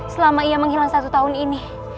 selama ia menghilang satu tahun ini